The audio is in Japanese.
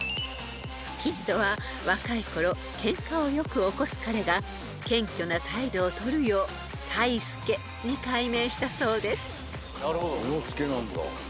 ［ヒントは若いころケンカをよく起こす彼が謙虚な態度をとるようタイスケに改名したそうです］